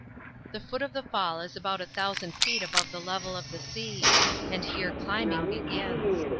The foot of the fall is about a thousand feet above the level of the sea, and here climbing begins.